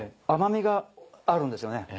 甘みがあるんですよね。